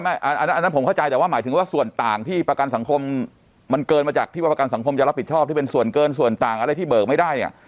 อันนั้นผมเข้าใจแต่ว่าหมายถึงว่าส่วนต่างที่ประกันสังคมมันเกินมาจากที่ว่าประกันสังคมจะรับผิดชอบที่เป็นส่วนเกินส่วนต่างอะไรที่เบิกไม่ได้เนี่ย